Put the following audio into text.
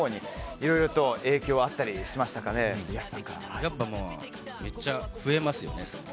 やっぱりめっちゃ増えますよね。